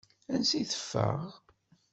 Ansa i teffeɣ?